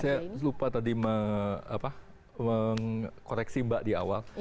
saya lupa tadi mengkoreksi mbak di awal